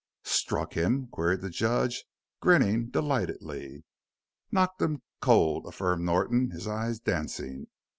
"Struck him?" queried the judge, grinning delightedly. "Knocked him cold," affirmed Norton, his eyes dancing.